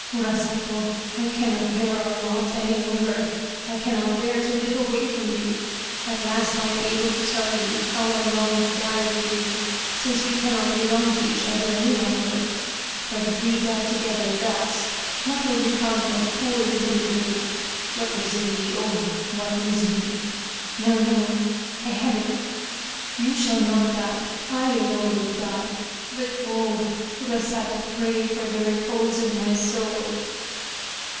" Urasato ! I cannot bear our lot any longer. I cannot bear to live away from you at last I am able to tell you how I long to die with you since we cannot belong to each other any longer. But if we die together thus, what will become of poor little Midori. What misery oh, what misery ! No no I have it ; you shall not die I alone will die ; but oh ! Urasato, pray for the repose of my soul